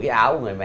cái áo người mẹ